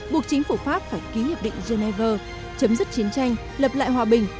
buộc chính phủ pháp phải ký hiệp định geneva chấm dứt chiến tranh lập lại hòa bình